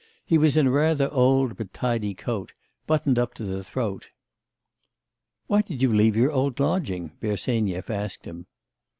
He was in a rather old but tidy coat, buttoned up to the throat. 'Why did you leave your old lodging?' Bersenyev asked him.